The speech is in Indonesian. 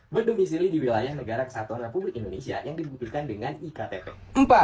berdomisili di wilayah negara kesatuan republik indonesia yang dibuktikan dengan iktp